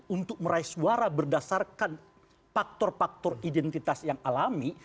untuk meraih suara berdasarkan faktor faktor identitas yang alami